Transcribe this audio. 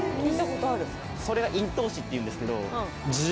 それが。っていうんですけど。